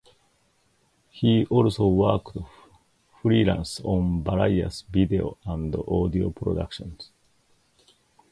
He also worked freelance on various video and audio productions.